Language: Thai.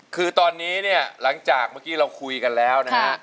คือตอนนี้เนี่ยหลังจากเมื่อกี้เราคุยกันแล้วนะฮะ